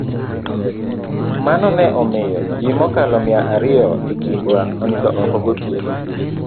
Mano ne omiyo ji mokalo mia riyo e kindwa onindo oko gotieno.